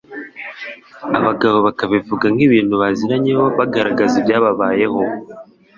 abagabo bakabivuga nk'ikintu baziranyeho bagaraza ibyababayeho